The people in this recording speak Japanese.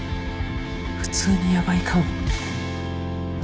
普通にヤバいかも